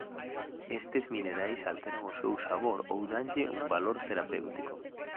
Estes minerais alteran o seu sabor ou danlle un valor terapéutico.